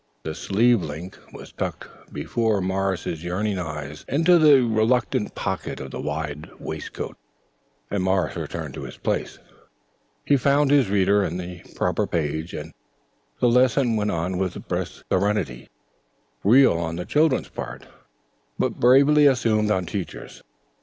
The sleeve link was tucked, before Morris's yearning eyes, into the reluctant pocket of the wide white waistcoat, and Morris returned to his place. He found his reader and the proper page, and the lesson went on with brisk serenity; real on the children's part, but bravely assumed on Teacher's.